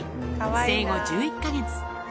生後１１か月。